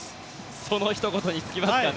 そのひと言に尽きますかね。